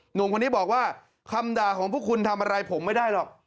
หนุ่มคนนี้บอกว่าคำด่าของพวกคุณทำอะไรผมไม่ได้หรอก